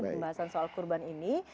pembahasan soal kurban ini